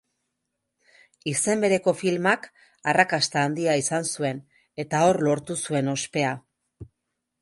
Izen bereko filmak arrakasta handia izan zuen, eta hor lortu zuen ospea.